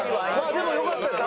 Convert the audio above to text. でもよかったです。